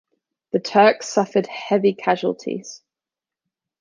The Turks suffered 'heavy casualties'.